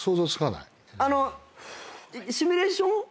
シミュレーション。